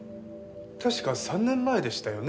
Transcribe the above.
確か３年前でしたよね？